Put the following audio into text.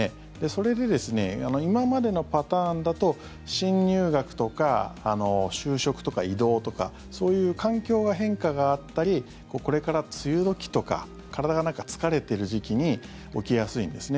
それで、今までのパターンだと新入学とか就職とか異動とかそういう環境の変化があったりこれから梅雨時とか体が疲れてる時期に起きやすいんですね。